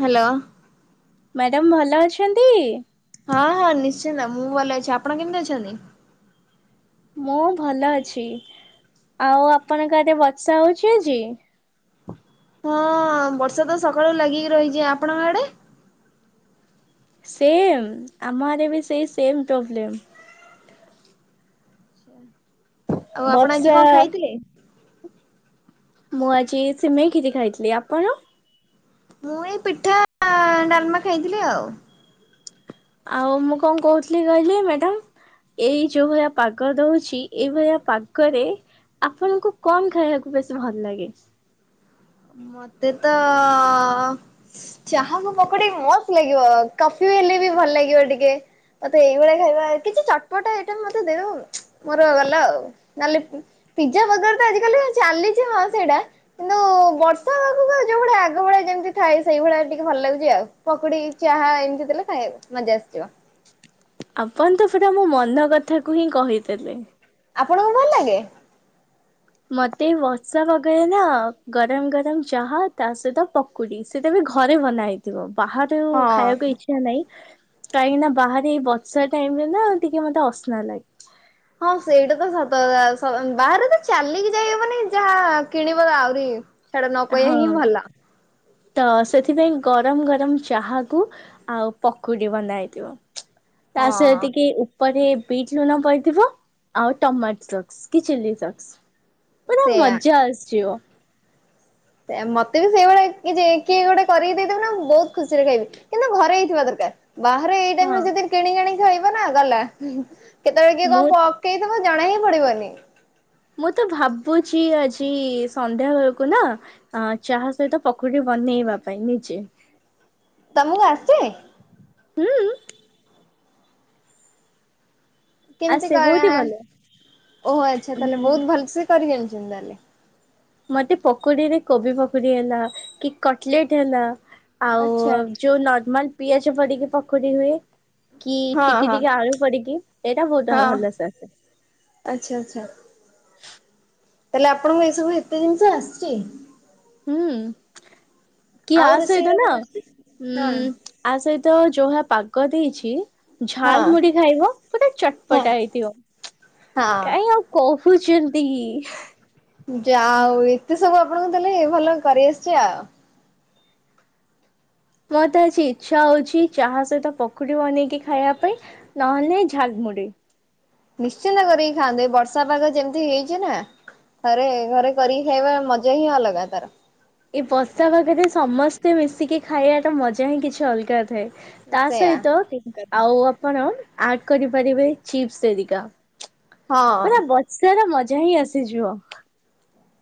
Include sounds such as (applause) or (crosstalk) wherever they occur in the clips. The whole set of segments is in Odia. ହ୍ୟାଲୋ ମ୍ୟାଡ଼ାମ ଭଲ ଅଛନ୍ତି ହଁ ହଁ ନିଶ୍ଚିନ୍ତ ମୁଁ ଭଲ ଅଛି ଆପଣ କେମିତି ଅଛନ୍ତି। ମୁଁ ଭଲ ଅଛି ଆଉ ଆପଣଙ୍କ ଆଡେ ବର୍ଷା ହଉଛି ଆଜି। ହଁ ବର୍ଷା ତ ସକାଳୁ ଲାଗିକି ରହିଛି ଆପଣଙ୍କ ଆଡେ। ସେମ୍ ଆମ ଆଡେ ବି ସେଇ ସେମ୍ ପ୍ରୋବ୍ଲେମ୍। ଆଚ୍ଛା ଆଉ ଆପଣ ଆଜି ବର୍ଷା କଣ ଖାଇଥିଲେ? ମୁଁ ଆଜି ସିମେଇ ଖିରି ଖାଇଥିଲି ଆପଣ। ମୁଁ ଏଇ ପିଠା ଡାଲମା ଖାଇଥିଲି ଆଉ। ଆଉ ମୁଁ କଣ କହୁଥିଲି କହିଲେ ମ୍ୟାଡ଼ାମ। ଏଇ ଯୋଉ ଭଳିଆ ପାଗ ଦଉଛି ଏଇଭଳିଆ ପାଗରେ। ଆପଣଙ୍କୁ କଣ ଖାଇବାକୁ ବେସି ଭଲ ଲାଗେ। ମତେ ତ ଚାହାକୁ ପକୁଡି ମସ୍ତ ଲାଗିବ କଫି ହେଲେ ବି ଭଲ ଲାଗିବ ଟିକେ। ମତେ ଏଇଭଳିଆ ଖାଇବା କିଛି ଚଟପଟା ଆଇଟମ ମତେ ଦେଉ ଦବ ମୋର ଗଲା ଆଉ ନହେଲେ ପିଜା ବରଗର ତ ଆଜ କାଲି ଚାଲିଛି ହଁ ସେଇଟା କିନ୍ତୁ ବର୍ଷା ପାଗକୁ ଆଉ ଯୋଉ ଭଳିଆ ଆଗ ଭଳିଆ ଯେମିତି ଥାଏ ସେଇଭଳିଆ ଟିକେ ଭଲ ଲାଗୁଛି ଆଉ ପକୁଡି ଚାହା ଏମିତି ଦେଲେ ଖାଇହେବ। ମଜା ଆସିଯିବ। ଆପଣ ତ ସେଟା ମୋ ମନ କଥାକୁ ହିଁ କହିଦେଲେ। ଆପଣଙ୍କୁ ଭଲ ଲାଗେ। ମତେଏଁ ବର୍ଷା ପାଗରେ ନା ଗରମ ଗରମ ଚାହା ତା ସହିତ ପ କୁଡି ସେଟା ବି ଘରେ ବନା ହେଇଥିବ ବାହାରୁ ଖାଇବାକୁ ହଁ। ଇଛା ନାହିଁ। କାହିଁକି ନା ବାହାରେ ଏଇ ବର୍ଷା ଟାଇମ ରେ ନା ଟିକେ ମତେ ଅସ୍ନା ଲାଗେ। ହଁ ସେଇଟା ତ ସତ କଥା ବାହାରେ ତ ଚାଲିକି ଯାଇହବନି ଯାହା କିଣିବ ଆହୁରି ସେଟା ନକହିବା ହଁ ହିଁ ଭଲ। ତ ସେଥିପାଇଁ ଗରମ ଗରମ ଚାହାକୁ। ଆଉ ପକୁଡି ବନାହେଇଥିବ ତା ସହିତି ହଁ ଟିକେ ଉଁ ପରେ ବିଟ୍ ଲୁଣ ପଡିଥିବ ଆଉ ଟମାଟୋ ସକ୍ସ କି ଚିଲି ସକ୍ସ। ପୁରା ସେଇୟା। ମଜା ଆସିଯିବ। ମତେ ବି ସେଇଭଳିଆ କିଏ ଜେ କିଏ ଗୋଟେ କରିକି ଦେଇଦଉନା ମୁଁ ବହୁତ ଖୁସିରେ ଖାଇବି। କିନ୍ତୁ ଘରେ ହେଇଥିବା ଦରକାର। ବାହାରେ ଏଇ ହଁ ଟାଇମ୍ ଯଦି କିଣିକି ଆଣିକି ଖାଇବନା ଗଲା କେତେବେଳେ କିଏଁ କ ମୁଁ ପ ପକେଇ ଦବ ଜଣା ହିଁ ପଡିବନି। ମୁଁ ତ ଭାବୁଛି ଆଜି ସନ୍ଧ୍ୟାବେଳକୁ ନା। ଅ ଚାହା ସହିତ ପକୁଡି ବନେଇବା ପାଇଁ ନିଜେ ତମକୁ ଆସେ। ହୁଁ। କେମିତି ଆସେ ବହୁତ ହି କରିବା ଭଲ। ଓହୋ ଆଚ୍ଛା ତାହେଲେ ଉଁ ବହୁତ ଭଲସେ କରି ଜାଣିଛନ୍ତି ତାହେଲେ। ମତେ ପକୁଡିରେ କୋବି ପକୁଡି ହେଲା କି କଟଲେଟ ହେଲା ଆଉ ଆଚ୍ଛା ଯୋଉ ନର୍ମାଲ ପିଆଜ ପଡିକି ପକୁଡି ହୁଏ। କି ହଁ ଟିକି ହଁ ଟିକି ଆଳୁ ପଡିକି ସେଇଟା ବହୁତ ହଁ ଭଲସେ ଆସେ। ଆଚ୍ଛା ଆଚ୍ଛା। ତାହେଲେ ଆପଣଙ୍କୁ ଏଇ ସବୁ ଏତେ ଜିନିଷ ଆସିଛି। ହୁଁ କି ଆଉ ଆ ରୋଷେଇର ସହିତ ନା କଣ ଆସିଛି? ହଁ ଆ ସହିତ ଜୋହାପ ପାଗ ଦେଇଛି ଝାଲ ହଁ ମୁଢି ଖାଇବ ପୁରା ହଁ ଚଟପଟା ହେଇଥିବ। କାଇଁ ହଁ। ଆଉ କହୁଛନ୍ତି। ଯାହଉ ଏତେ ସବୁ ଆପଣଙ୍କୁ ତାହେଲେ ଭଲ କରିଆସିଛି ଆଉ। ମତେ ଆଜି ଇଚ୍ଛା ହଉଛି ଚାହା ସହିତ ପଖଡି ବନେଇକି ଖାଇବା ପାଇଁ। ନହେଲେ ନାଇଁ ଝାଲମୁଡ଼ିି। ନିଶ୍ଚିନ୍ତ କରିକି ଖାଆନ୍ତୁ ଏ ବର୍ଷା ପାଗ ଯେମିତି ହେଇଛି ନା? ଥରେ ଘରେ କରିକି ଖାଇବା ମଜା ହିଁ ଅଲଗା ତାର। ଏଇ ବର୍ଷା ପାଗରେ ସମସ୍ତେ ମିଶିକି ଖାଇବା ଟା ମଜା ହିଁ କିଛି ଅଲଗା ଥାଏ। ତା ସେଇୟା ସହିତ ଠିକ କଥା ଆଉ ଆପଣ ଆଡ୍ କରିପାରିବେ ଚିପ୍ସ ହେରିକା। ହଁ ସେରା ମଜା ହିଁ ଆସିଯିବ।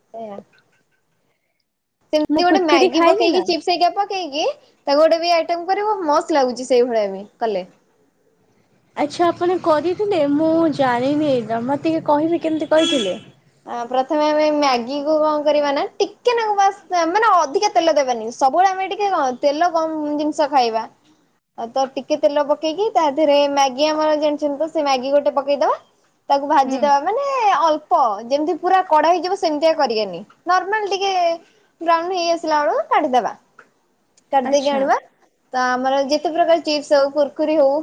(unintelligible) ସେମିତି ମୁଁ ଗୋଟେ କୁୁରକୁରି ମ୍ୟାଗି ଖାଇଲି ପକେଇ ନା। ଚିପ୍ସ। ସେଇଟା ପକେଇକି ତାକୁ ଗୋଟେ ବି ଆଇଟମ୍ କରିବତ ମସ୍ତ ଲାଗୁଛି ସେଇଭଳିଆ ବି କଲେ। ଆଚ୍ଛା ଆପଣ କରିଥିଲେ ମୁଁ ଜାଣିନି ଏଇଟା ମୋତେ ଟିକେ କହିବେ କେମିତି କହିଥିଲେ? ଆ ପ୍ରଥମେ ଆମେ ମ୍ୟାଗି କୁ କଣ କରିବା ନା ଟିକେ ନାଗୁ ବାସ୍ ମାନେ ଅଧିକା- ତେଲ ଦେବାନି ସବୁବେଳେ ଆମେ ଟିକେ ତେଲ କମ୍ ଜିନିଷ ଖାଇବା। ଆଉ ତ ଟିକେ ତେଲ ପକେଇକି ତା ଦେହରେ ମ୍ୟାଗି ଆମର ଜାଣିଛନ୍ତି ତ ସେ ମ୍ୟାଗି ଗୋଟେ ପକେଇଦବା। ତାକୁ ହୁଁ। ଭାଜିଦବା ମାନେ ଅଳ୍ପ ଯେମିତି ପୁରା କଡା ହେଇଯିବ ସେମିତିଆ କରିବାନି ନର୍ମାଲ ଟିକେ। ବ୍ରାଉନ ହେଇ ଆସିଲା ବେଳକୁ କାଢିଦବା କାଢିଦେଇକି ଆଚ୍ଛା ଆଣିବା। ତା ଆମର ଯେତେ ପ୍ରକାର ଚିପ୍ସ ହଉ କୁୁର୍ କୁରି ହଉ।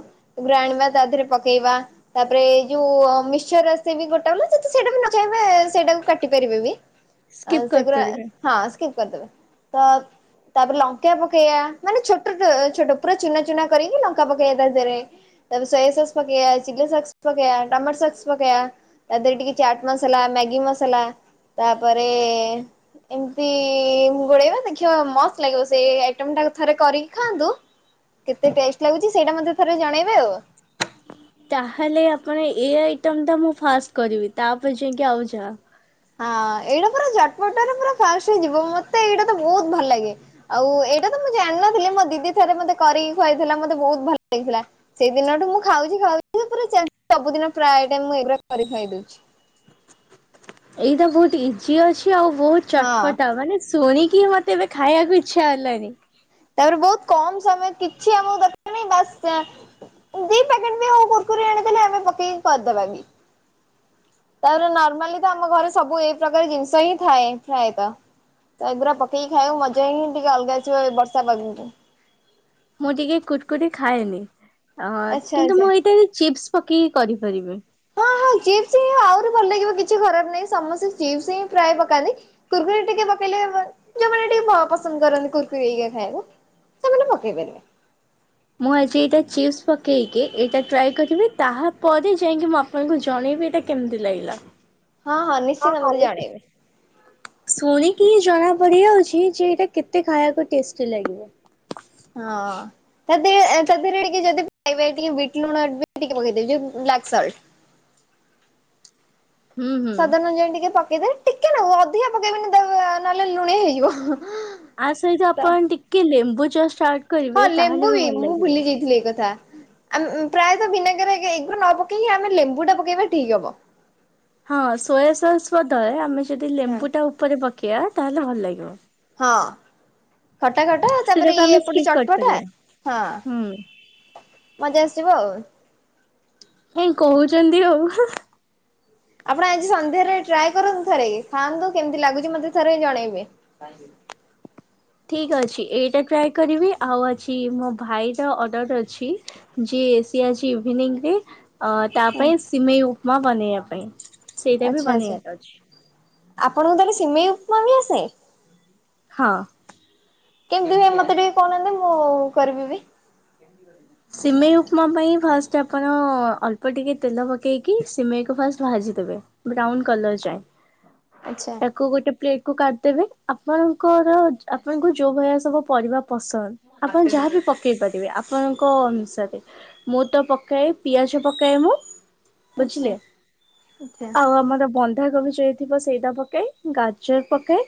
ଆଣିବା ତା ଦେହରେ ପକେଇବା ତାପରେ ଯୋଉ ମିିକଚର୍ ଆସେନି ଗୋଟା ବାଲା ସେଟା ବି। ସେଇଟାକୁ କାଟି ପାରିବେ ବି ସ୍କିପ୍ ସେଗୁଡା କରିପାରିବେ। ସ୍କିପ୍ କରିଦେବେ। ତ ତାପରେ ଲଙ୍କା ପକେଇବା ମାନେ ଛୋଟ ଛୋଟ ପୁରା ଚୁନା ଚୁନା କରିକି ଲଙ୍କା ପକେଇବା ତା ଦେହରେ ତାପରେ ସୋୟା ସସ୍ ପକେଇବା (unintelligible) ପକେଇବା ଟମାଟୋ ସସ୍ ପକେଇବା ତା ଦେହରେ ଟିକେ ଚାଟ୍ (unintelligible) ମସଲା ମ୍ୟାଗି ମସଲା ତାପରେ ଏମିତି (unintelligible) ଦେଖିବା ମସ୍ତ ଲାଗିବ ସେଇ ଆଇଟମ୍ ଟା ଥରେ କରିକି ଖାଆନ୍ତୁ। କେତେ ଟେଷ୍ଟ ଲାଗୁଛି ସେଇଟା ମୋତେ ଥରେ ଜଣେଇବେ ଆଉ ତାହେଲେ ଆପଣ ଏ ଆଇଟମ୍ ଟା ମୁଁ ଫାଷ୍ଟ କରିବି ତାପରେ ଯାଇକି ଆଉ ଯାହା। ହଁ ଏଇଟା ଚଟ୍ ପଟା ରେ ପୁରା ଫାଷ୍ଟ ହେଇଯିବ ମତେ ଏଇଟା ତ ବହୁତ ଭଲ ଲାଗେ। ଆଉ ଏଇଟା ତ ମୁଁ ଜାଣିନଥିଲି ମୋ ଦିଦି ଥରେ ମତେ କରିକି ଖୁଆଇଥିଲା ମତେ ବହୁତ ଭଲ ଲାଗିଥିଲା। ସେଇ ଦିନଠୁ ମୁଁ ଖାଉଛି ଖାଉଛି ସବୁଦିନ ପ୍ରାୟଟାଇମ୍ ମୁଁ ଏଗୁରା କରି ଖାଇଦଉଛି। ଏଇଟା ବହୁତ ଇଜି ଅଛି ଆଉ ବହୁତ ହଁ ଚଟପଟା ମାନେ। ଶୁଣିକି ମତେ ଏବେ ଖାଇବାକୁ ଇଚ୍ଛା ହେଲାନି। ତାପରେ ବହୁତ କମ୍ ସମୟ କିଛି ଆମକୁ ଦେଖାନି ବସ୍ ଏଆ ଉଇ ପ୍ୟାକେଟ ବି ହଉ କୁର୍ କୁରୀ ଆଣିଦେଲେ ଆମେ ପକେଇକି କରିଦବା କି? ତାପରେ ନର୍ମାଲି ତ ଆମ ଘରେ ସବୁ ଏଇ ପ୍ରକାର ଜିନିଷ ହିଁ ଥାଏ ପ୍ରାୟତ। ତ ଏଗୁରା ପକେଇ ଖାଇବ ମଜା ହିଁ ଟିକେ ଅଲଗା ଥିବ ଏ ବର୍ଷା ପାଗକୁ। ମୁଁ ଟିକେ କୁର୍ କୁରି ଖାଏନି ଅ ଆଚ୍ଛା କିନ୍ତୁ ଆଚ୍ଛା। ମୁଁ ଏଇଟାରେ ଚିପ୍ସ ପକେଇକି କରିପାରିବି। ହଁ ହଁ ଚିପ୍ସ ହିଁ ଆହୁରି ଭଲ ଲାଗିବ କିଛି ଖରାପ ନାହିଁ ସମସ୍ତେ ଚିପ୍ସ ହିଁ ପ୍ରାୟ ପକାନ୍ତି। କୁର୍ କରି ଟିକେ ପକେଇଲେ ବ ଯୋଉମାନେ ଟିକେ ପ ପସନ୍ଦ କରନ୍ତି କୁର୍ କୁରି ହେରିକା ଖାଇଆକୁ। ସେମାନେ ପକେଇ ପାରିବେ। ମୁଁ ଆଜି ଏଇଟା ଚିପ୍ସ ପକେଇକି ଏଇଟା ଟ୍ରାଏ କରିବି ତାହା ପରେ ଯାଇଁକି ମୁଁ ଆପ ଆଣଙ୍କୁ ଜଣେଇବି ଏଇଟା କେମିତି ଲାଗିଲା। ହଁ ହଁ ନିଶ୍ଚିନ୍ତ ହଁ ଭାବରେ ନିଶ୍ଚୟ। ଜଣେଇବେ। ଶୁଣିକି ହି ଜଣା ପଡି ଯାଉଛି ଯେ ଏଇଟା କେତେ ଖାଇବାକୁ ଟେଷ୍ଟି ଲାଗିବ। ହଁ। ସେଦିଏ ଏଁ ସେଦିରେ ଟିକେ ଯଦି ପାଇବେ ଟିକେ ବିଟ୍ ଲୁଣ ଯଦ ଟିକେ ପକେଇଦେବେ ଯେଦ ବ୍ଲାକ୍ ସଲ୍ଟ। ହୁଁ ହୁଁ ସାଦ୍ବ ଅନୁଯାଏ ଟିକେ ପକେଇଦେବ ଟିକେ ନା ଅଧିକା ପକେଇବନି ଦ ଅ ଆ ନହେଲେ ଲୁଣିଆ ହେଇଯିବ। ଆ ସହିତ ତ ଆପଣ ଟିକେ ଲେମ୍ବୁ ଜଷ୍ଟ୍ ଆଟ୍। ହଁ ଲେମ୍ବୁ ହିଁ ମୁଁ ଭୁଲି ଯାଇଥିଲି ଏଇ କଥା। ଆଲ ପ୍ରାୟତ ଭିିନୋଗାର ଏ ଏଗୁରା ନପକେଇକି ଆମେ ଲେମ୍ବୁ ଟା ପକେଇବା ଠିକ୍ ହବ। ହଁ ସୋୟା ସସ୍ ବଦଳେ ଆମେ ଯଦି ହଁ। ଲେମ୍ବୁ ଟା ଉପରେ ପକେଇବା ତାହେଲେ ଭଲ ଲାଗିବ। ହଁ ଖଟା ଖଟା ତାପରେ ସେଟାକୁ ଇଏ ଆମେ ଏପଟେ ସ୍କିପ୍ ଚଟ୍ ପଟା କରିପାରିବା ହଁ। ହୁଁ ମଜା ଆସିବ ଆଉ। କାହିଁ କହୁଛନ୍ତି ଆଉ। ଆପଣ ଆଜି ସନ୍ଧ୍ୟାରେ ଟ୍ରାଏ କରନ୍ତୁ ଥରେ, ଖାଆନ୍ତୁ କେମତି ଲାଗୁଛି ମତେ ଥରେ ଜଣେଇବେ ଥାଙ୍କୟୁ। ଠିକ୍ ଅଛି ଏଇଟା ଟ୍ରାଏ କରିବି ଆଉ ଅଛି ମୋ ଭାଇର ଅର୍ଡର ଅଛି। ଛି ଯେ ସେ ଅଛି ଇଭିନିଂରେ ଅଁ ତା ପାଇଁ ସିମେଇ ଉପ ନ ବନେଇବା ପାଇଁ। ସେଇଟା ବି ଆଚ୍ଛା ଆଚ୍ଛା ବନେଇବାର ଅଛି ଆପଣଙ୍କୁ ତାହେଲେ ସିମେଇ ଉପମା ବି ଆସେ? ହଁ। କେମିତି ହୁଏ ମତେ ଟିକେ କହୁନାହାନ୍ତି ମୁଁ କରିବି ବି। ହ (unintelligible) ସିମେଇ ଉପମା ପାଇଁ ଫାଷ୍ଟ ଆପଣ ଅଳ୍ପ ଟିକେ ତେଲ ପକେଇକି ସିମେଇକୁ ଫାଷ୍ଟ ଭାଜିଦେବେ। ବ୍ରାଉନ କଲର ଯାଏ। ଆଛା। କୋଉ ଗୋଟେ ପ୍ଲେଟ କୁ କାଟିଦେବେ ଆପଣଙ୍କର ଯ ଆପଣ ଯୋଉ ଭଳିଆ ସବୁ ପରିବା ପସନ୍ଦ ଆପଣ ଯାହାବି ପକେଇ ପାରିବେ ଆପଣଙ୍କ କ ଅନୁସାରେ ମୁଁ ତ ପକାଏ ପିଆଜ ପକାଏ ମୁଁ। ବୁଝିଲେ ଆଚ୍ଛା। ଆଚ୍ଛା ଆଉ ଆମର ବନ୍ଧାକୋବି ଯେତ ଥିବ ସେଇଟା ପକାଇ ଗାଜର ପକାଏ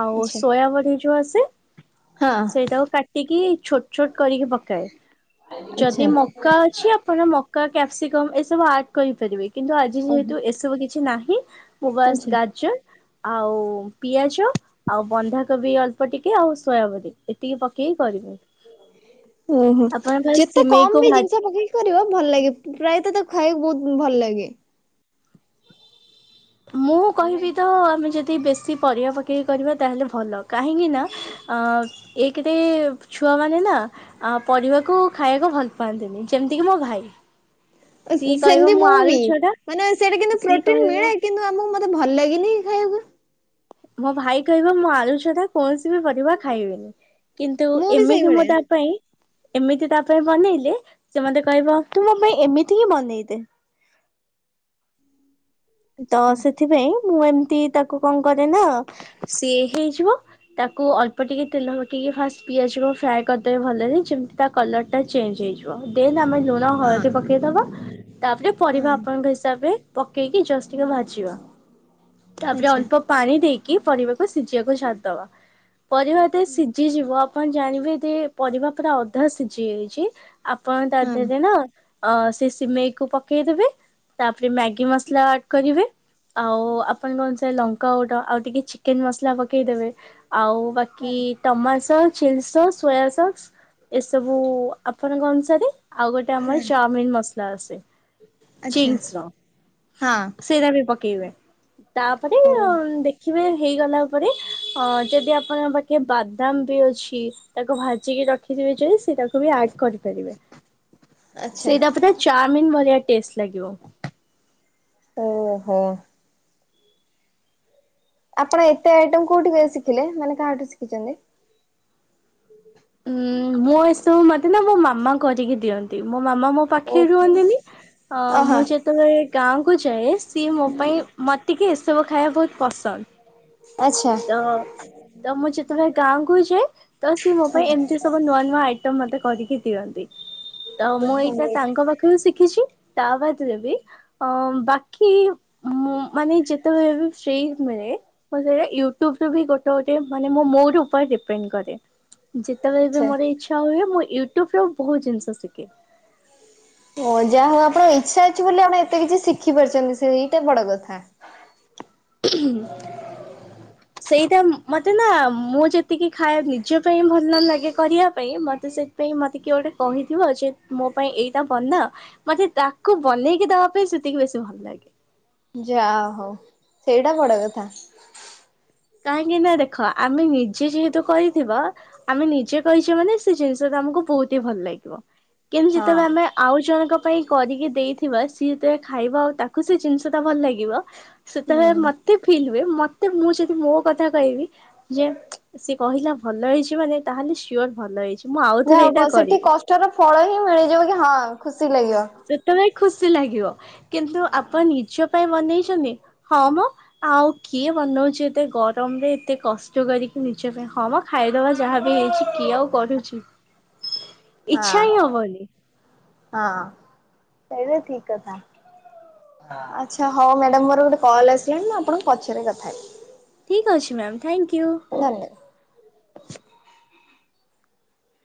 ଆଉ ଆଚ୍ଛା ସୋୟାବଡି ଯୋଉ ଆସେ ହଁ ସେଇଟାକୁ କାଟିକି ଛୋଟ ଛୋଟ କରିକି ପକାଏ। ଯଦି ଆଚ୍ଛା ମକା ଅଛି ଆପଣ ମକା କ୍ୟାପ୍ସିକମ୍ ଏସବୁ ଆଡ କରିପାରିବେ। କିନ୍ତୁ ଆଜି ଓହୋ ଯେହେତୁ ଏସବୁ କିଛି ନାହିଁ ମୁଗା ସ ଆଚ୍ଛା ଗାଜର ଆଉ ପିଆଜ ଆଉ ବନ୍ଧାକୋବି ଅଳ୍ପ ଟିକେ ଆଉ ସୋୟାବଡି ଏତିକି ପକେଇ କରିବେ। ଉଁ ହୁଁ ଆପଣ ଫାଷ୍ଟ ଯେତେ ସିମେଇକୁ କମ ବି ଭାଜି ଜିନିଷ ପକେଇ କରିବ ଭଲ ଲାଗେ ପ୍ରାୟତଃ ତା ଖାଇବାକୁ ବହୁତ ଭଲ ଲାଗେ। ମୁଁ ଆମେ କହିବି ତ ଆମେ ଯଦି ବେଶୀ ପରିବା ପକେଇକି କରିବା ତାହେଲେ ଭଲ କାହିଁକିନା ଅ ଏ କେରେ ଛୁଆମାନେ ନା ଆ ପରିବାକୁ ଖାଇବାକୁ ଭଲ ପାଆନ୍ତିନି, ଯେମିତିକି ମୋ ଭାଇ। ସିଏ କହିବ ସେମତି ମୁଁ ଆଳୁ ବି ଛଡା ମାନେ ସେଇଟା କିନ୍ତୁ ସିଏ ପ୍ରୋଟିନ୍ କହିବ ମିଳେ କିନ୍ତୁ ଆମକୁ ମତେ ଭଲ ଲାଗେନି ଖାଇବାକୁ। ମୋ ଭାଇ କହିବ ମୁ ଆଳୁ ଛଡ଼ା କୌଣସି ବି ପରିବା ଖାଇବିନି। କିନ୍ତୁ ମୁଁ ବି ଏମିତି ମୁଁ ସେଇଭଳିଆ ତା ପାଇଁ ଏମିତି ତା ପାଇଁ ବନେଇଲେ, ସେ ମତେ କହିବ ତୁ ମୋ ପାଇଁ ଏମିତି ହିଁ ବନେଇ ଦେ। ତ ଆଚ୍ଛା ସେଥିପାଇଁ ମୁଁ ଏମିତି ତାକୁ କଣ କରେ ନା ସିଏ ହେଇଯିବ। ତାକୁ ଅଳ୍ପ ଟିକେ ତେଲ ପକେଇକି ଫାଷ୍ଟ ପିଆଜ କୁ ଫ୍ରାଏ କରିଦେବେ ଭଲରେ ଯେମତି ତାକୁ। କଲର ଟା ଚେଞ୍ ହେଇଯିବ ଦେନ୍ ଆମେ ଲୁ ହଁ ହଳଦୀ ପକେଇଦବା ତାପରେ ହଁ ପରିବା ଆପଣଙ୍କ ହିସାବରେ ପକେଇକି ଜଷ୍ଟ। ଟିକେ ଭାଜିବା ତାପରେ ଆଚ୍ଛା ଅଳ୍ପ। ପାଣି ଦେଇକି ପରିବାକୁ ସିଝିବାକୁ ଛାଡ଼ିଦେବା ପରିବା ଯେତେ ସିଝିଯିବ ଆପଣ ଜାଣିବେ ଯେ ପରିବା ପୁରା ଅଧା ସିଝି ଯାଇଛି ଆପଣ ତା ହଁ ଦେରେ ନା ଅ ସେ ସିମେଇକୁ ପକେଇ ଦବେ ତାପରେ ମ୍ୟାଗି ମସଲା। କରିବେ ଆଉ ଆପଣଙ୍କ ଅନୁସାରେ ଲଙ୍କା ଗୋଣ୍ଡ ଆଉ ଟିକେ ଚିକେନ ମସଲା ପକେ ପକେଇଦବେ ଆଉ ହଁ ବାକି। ଆଚ୍ଛା tomato sauce ଚେଲ୍ sauce soya sauce ଏସବୁ ଆପଣଙ୍କ ଅନୁସାରେ ଆଉ ଗୋଟେ।। ଆଉ ଗୋଟେ ଆମର ଚଅମୀନ୍ ମସଲା ଆସେ ଚିଙ୍ଗସ ର। ହଁ। ସେଇଟା ବି ପକେଇବେ ତାପରେ ହୋଉ। ଦେଖିବେ ହେଇଗଲା ପରେ, ଅ ଯଦି ଆପଣଙ୍କ ପାଖେ ବାଦାମ ବି ଅଛି। ତାକୁ ଭାଜିକି ରଖିଥିବେ ଯ ସେଇଟାକୁ ବି ଆଡ୍ କରିପାରିବେ ଆଚ୍ଛା ସେଇଟା ପରେ ଚାମିନ୍ ଭଳିଆ ଟେଷ୍ଟ ଲାଗିବ। ଓହୋ ଆପଣ ଏତେ ଆଇଟମ କୋଉଠି ଶିଖିଲେ? ମାନେ କାହାଠୁ ଶିଖିଛନ୍ତି ଉଁ ମୁଁ ଏସବୁ ମତେ ନା ମୋ ମାମା କରିକି ଦିଅନ୍ତି ମୋ ମାମା ମୋ ଓ ପାଖେଇ ରୁହନ୍ତିନି ଅ ଓହୋ ମୁଁ ଯେତେବେଳେ ଗାଁକୁୁ ଯାଏ ସିଏ ମୋ ପାଇଁ ମତେ କି ଏସବୁ ଖାଇବା ବହୁତ ପସନ୍ଦ ଆଚ୍ଛା ତ ତ ମୁଁ ଯେତେବେଳେ ଗାଁ କୁ ଯାଏ ତ ସିଏ ମୋ ପାଇଁ ଏମିତି ସବୁ ନୂଆ ନୂଆ ଆଇ- ଟମ୍ ମତେ କରିକି ଦିଅନ୍ତି, ତ ମୁଁ ଏଇଟା ତାଙ୍କ ପାଖରେ ଶିଖିଛି ତା ବାଦରେ ବି ଅ ବାକି ମୁଁ ମାନେ ଯେତେବେଳେ ବି ଫ୍ରି ମିଳେ ମ ୟୁ ଟୁଫି ବି ଗୋଟେ ଗୋଟେେ ମାନେ ମୋର ଉପରେ ଡିପେଣ୍ଡ କରେ ଯେତେବେଳେ ବି ଆଚ୍ଛା। ମୋର ହେଇଚି ଶ ହୁଏ ମୁଁ ୟୁଟ୍ୟୁବ ରେ ବହୁତ୍ ଜିନିଷ ଶିଖେ ଓ ଯାହା ହଉ ଆପଣଙ୍କ ଇଚ୍ଛା ଅଛି ବୋଲି ଆପଣ ଏତେ କିଛି ଶିଖି ପାରୁଛନ୍ତି ସେ ଏଇଟା ବଡ କଥା। (inaudible) ସେଇଟା ମୋତେ ନା ମୁଁ ଯେତିକି ଖାଏ ନିଜ ପାଇଁ ଭଲ ନ ଲାଗେ କରିବା ପାଇଁ ମୋତେ ସେ ପାଇଁ ମତେ କିଏ ଗୋଟେ କହିଥିବ ଯେ ମୋ ପାଇଁ ଏଇଟା ବନା ମତେ ତା କୁ ବନେଇକି ଦେବା ପାଇଁ ସେତିକି ବେଶୀ ଭଲ ଲାଗେ ଯା ହଉ ସେଇଟା ବଡ କଥା କାହିଁକି ନା ଦେଖ ଆମେ ନିଜେ ଯେହେତୁ କରିଥିବା ଆମେ ନିଜେ କହିଛେ ମାନେ ସେ ଜିନିଷ ତ ଆମକୁ ବହୁତ ହି ଭଲ ଲାଗିବ କିନ୍ତୁ ହଁ। ଯେତେବେଳେ ଆମେ ଆଉ ଜଣଙ୍କ ପାଇଁ କରିକି ଦେଇଥିବା ସିଏ ଯେତେବେଳେ ଖାଇବ ଆଉ ତାକୁ ସେ ଜିନିଷ ଟା ଭଲ ଲାଗିବ ସେତେବେଳେ ହୁଁ ମତେ ଫିଲ୍ ହୁଏ, ମତେ ମୁଁ ଯେ ମୋ କଥା କହିବି ଯେ, ସେ କହିଲା ଭଲ ହେଇଚି ମାନେ ତାହେଲେ ସିଓର୍ ଭଲ ହେଇଚି। ମୁଁ ଆଉଥରେ ଏଇଟା କରିବି। କଷ୍ଟ ର ଫଳ ହିଁ ମିଳିଯିବ କି ହଁ, ଖୁସି ଲାଗିବ। ସେତେବେଳେ ଖୁସି ଲାଗିବ କିନ୍ତୁ ହଁ ଆପଣ ନିଜ ପାଇଁ ବନେଇଚନି ହଁ ମ ଆଉ କିଏ ବନଉଚି ଏତେ ଗରମରେ ଏତେ କଷ୍ଟ କରିକି ନିଜ ପାଇଁ, ହଁ ମା ଖାଇଦବା ଯାହାବି ହେଇଚି, କିଏ ଆଉ କରୁଚି? ହଁ ଇଛା ହିଁ ହବନି। ହଁ, ସେଇଟା ଠିକ୍ କଥା। ଆଛା ହଉ ମ୍ୟାଡ଼ାମ୍, ମୋର ଗୋଟେ କଲ୍ ଆସିଲାଣି, ମୁଁ ଆପଣଙ୍କୁ ପଛରେ କଥା ହେବି। ଠିକ୍ ଅଛି ମ୍ୟାମ୍, ଥ୍ୟାଙ୍କ୍ ୟୁ। ଧନ୍ୟବାଦ।